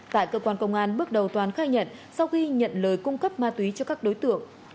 tại cơ quan công an bước đầu toàn khai nhận sau khi nhận lời cung cấp ma túy cho các đối tượng